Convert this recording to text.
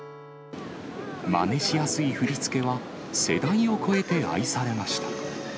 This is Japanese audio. まねしやすい振り付けは、世代を超えて愛されました。